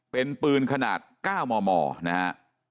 เป็นปืนขนาด๙มมนะฮะ